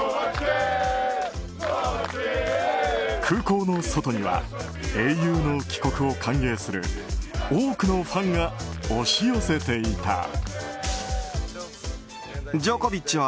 空港の外には英雄の帰国を歓迎する多くのファンが押し寄せていた。